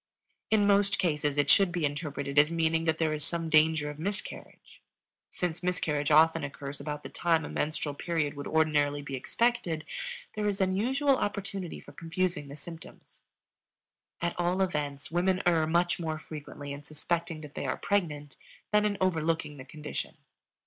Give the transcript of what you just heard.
In most cases it should be interpreted as meaning that there is some danger of miscarriage. Since miscarriage often occurs about the time a menstrual period would ordinarily be expected, there is unusual opportunity for confusing the symptoms. At all events women err much more frequently in suspecting that they are pregnant than in overlooking the condition.